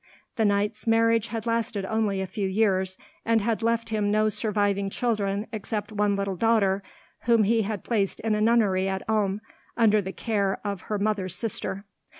The knight's marriage had lasted only a few years, and had left him no surviving children except one little daughter, whom he had placed in a nunnery at Ulm, under the care of her mother's sister.